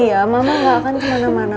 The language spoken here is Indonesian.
iya mama gak akan kemana mana